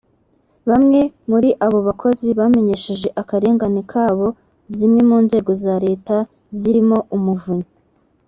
Bamwe muri abo bakozi bamenyesheje akarengane kabo zimwe mu nzego za Leta zirimo Umuvunyi